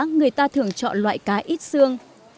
các món cá người ta thường chọn loại cá ít xương